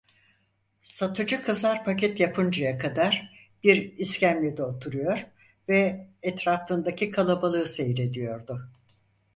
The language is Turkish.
Satıcı kızlar paket yapıncaya kadar bir iskemlede oturuyor ve etrafındaki kalabalığı seyrediyordu.